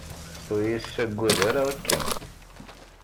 Ur yi-ssagad ara akken!